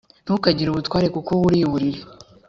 ntukagire ubutware kuko wuriye uburiri